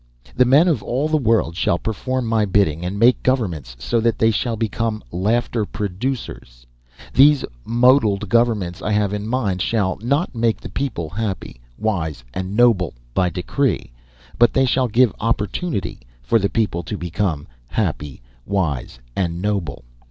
The men of all the world shall perform my bidding and make governments so that they shall become laughter producers. These modelled governments I have in mind shall not make the people happy, wise, and noble by decree; but they shall give opportunity for the people to become happy, wise, and noble.